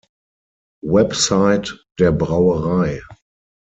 Website der Brauerei